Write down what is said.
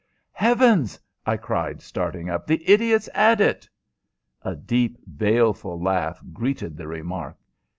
"Heavens!" I cried, starting up. "The idiot's at it!" A deep, baleful laugh greeted the remark.